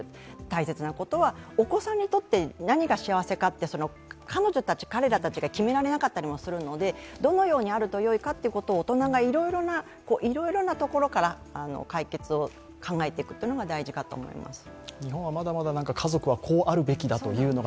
大切なことは、お子さんにとって何が幸せかっていう彼女たち、彼らたちが決められなかったりするのでどのようにあればいいのか大人がいろいろなところから解決を考えていくことが大事だと思います。